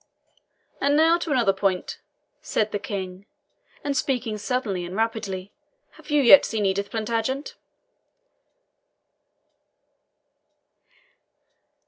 "And now to another point," said the King, and speaking suddenly and rapidly "have you yet seen Edith Plantagenet?"